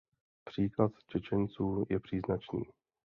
Příklad Čečenců je příznačný.